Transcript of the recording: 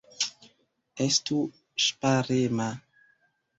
Estu ŝparema!